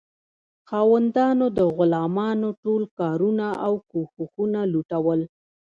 خاوندانو د غلامانو ټول کارونه او کوښښونه لوټول.